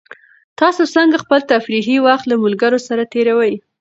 تاسو څنګه خپل تفریحي وخت له ملګرو سره تېروئ؟